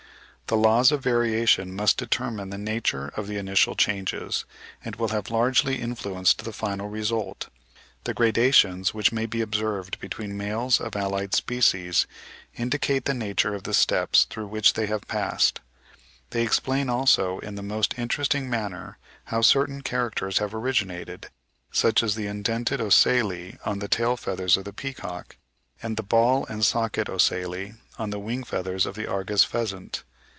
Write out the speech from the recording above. The laws of variation must determine the nature of the initial changes, and will have largely influenced the final result. The gradations, which may be observed between the males of allied species, indicate the nature of the steps through which they have passed. They explain also in the most interesting manner how certain characters have originated, such as the indented ocelli on the tail feathers of the peacock, and the ball and socket ocelli on the wing feathers of the Argus pheasant.